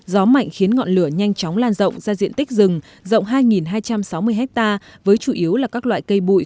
gió mạnh khiến ngọn lửa nhanh chóng lan rộng ra diện tích rừng rộng hai hai trăm sáu mươi hectare với chủ yếu là các loại cây bụi